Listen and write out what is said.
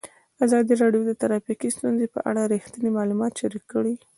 ازادي راډیو د ټرافیکي ستونزې په اړه رښتیني معلومات شریک کړي.